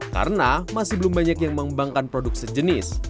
karena masih belum banyak yang mengembangkan produk sejenis